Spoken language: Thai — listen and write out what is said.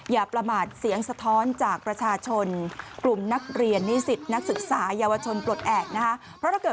อย่าประมาทเสียงสะท้อนจากประชาชนกลุ่มนักเรียนนิสิตนักศึกษาเยาวชนปลดแอบนะคะ